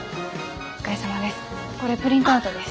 お疲れさまです。